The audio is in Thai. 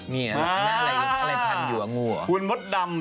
นี่ละอะไรทันอยู่งูเหรอ